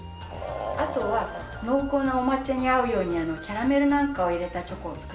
あとは濃厚なお抹茶に合うようにキャラメルなんかを入れたチョコを作っています。